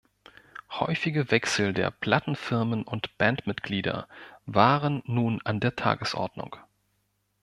Häufige Wechsel der Plattenfirmen und Bandmitglieder waren nun an der Tagesordnung.